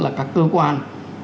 là các cơ quan